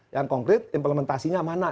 yang konkret implementasinya mana